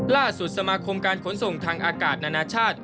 ล่าสุดสมาคมการขนส่งทางอากาศนานาชาติ